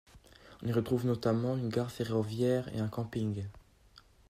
On y trouve notamment une gare ferroviaire et un camping.